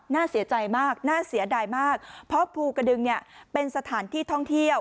น่าเสียใจมากน่าเสียดายมากเพราะภูกระดึงเนี่ยเป็นสถานที่ท่องเที่ยว